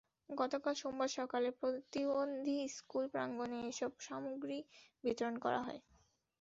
গতকাল সোমবার সকালে প্রতিবন্ধী স্কুল প্রাঙ্গণে এসব সামগ্রী বিতরণ করা হয়।